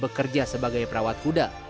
bekerja sebagai perawat kuda